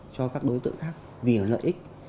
cho các đối tượng khác vì lợi ích